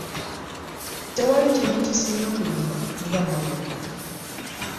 Tewali kintu kisinga kunyuma nga mmotoka.